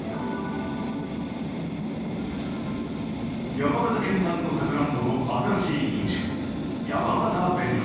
山形県産のさくらんぼの新しい品種、やまがた紅王。